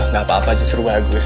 gak apa apa justru bagus